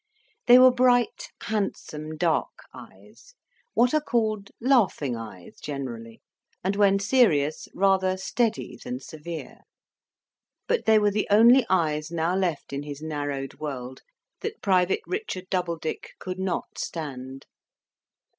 They were bright, handsome, dark eyes, what are called laughing eyes generally, and, when serious, rather steady than severe, but they were the only eyes now left in his narrowed world that Private Richard Doubledick could not stand.